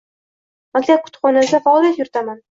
Maktab kutubxonasida faoliyat yuritaman.